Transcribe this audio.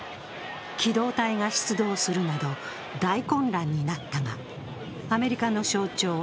機動隊が出動するなど大混乱になったがアメリカの象徴